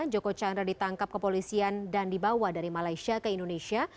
joko chandra ditangkap kepolisian dan dibawa dari malaysia ke indonesia